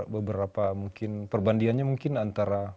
beberapa mungkin perbandingannya mungkin antara